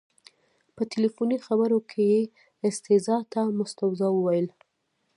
په تلیفوني خبرو کې یې استیضاح ته مستوزا وویل.